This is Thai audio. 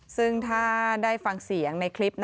ซึ่งถ้าได้ฟังเสียงในคลิป